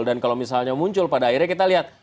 dan kalau misalnya muncul pada akhirnya kita lihat